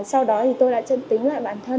sau đó thì tôi đã chân tính lại bản thân